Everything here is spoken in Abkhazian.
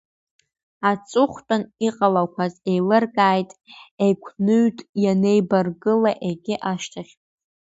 Аҵыхәтәан иҟалақәаз еилыркааит, еигәныҩт ианеибаргылақәа егьи ашьҭахь.